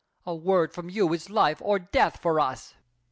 A word from you is life or death for us!